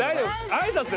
あいさつ